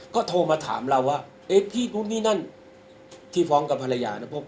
ก็โทรมาถามเราว่าพี่นู้นนี่นั่นที่ฟ้องกับภรรยานะครับ